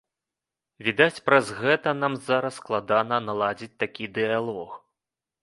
Відаць, праз гэта нам зараз складана наладзіць такі дыялог.